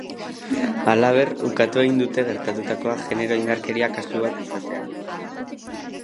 Halaber, ukatu egin dute gertatutakoa genero indarkeria kasu bat izatea.